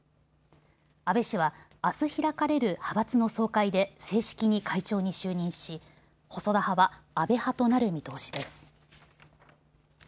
安倍氏はあす開かれる派閥の総会で正式に会長に就任し、細田派は安倍派となる見通しです。